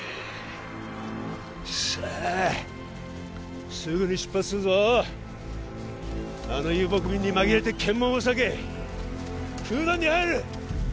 さあすぐに出発するぞあの遊牧民に紛れて検問を避けクーダンに入る！